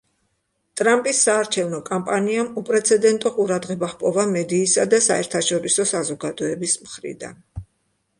ტრამპის საარჩევნო კამპანიამ უპრეცედენტო ყურადღება ჰპოვა მედიისა და საერთაშორისო საზოგადოების მხრიდან.